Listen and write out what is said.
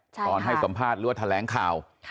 ตอนให้สัมภาษณ์หรือว่าแถลงข่าว